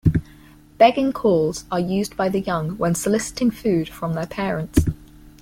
Begging calls are used by the young when soliciting food from their parents.